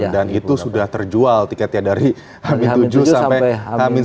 dan itu sudah terjual tiketnya dari hamin tujuh sampai hamin satu